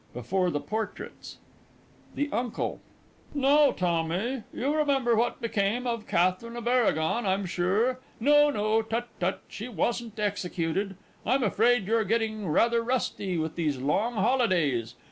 BEFORE THE PORTRAITS. THE UNCLE. Now, Tommy, you remember what became of Katherine of Aragon, I'm sure? No, no tut tut she wasn't executed! I'm afraid you're getting rather rusty with these long holidays.